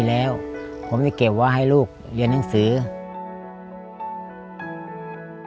ผมรักพ่อผมเป็นห่วงพ่อผมอยากให้พ่อกลับมาแข็งแรงเหมือนเดิม